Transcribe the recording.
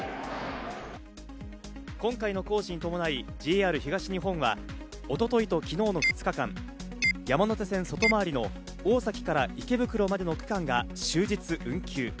今回の工事に伴い、ＪＲ東日本は一昨日と昨日の２日間、山手線外回りの大崎から池袋までの区間が終日運休。